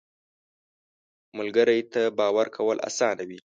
ملګری ته باور کول اسانه وي